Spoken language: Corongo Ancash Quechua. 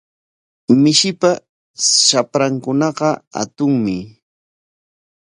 Mishipa shaprankunaqa hatunmi.